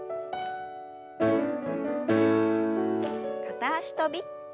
片脚跳び。